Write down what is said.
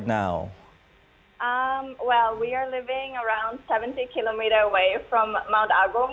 kita tinggal sekitar tujuh puluh kilometer dari mount agung